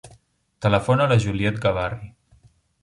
Telefona a la Juliette Gabarri.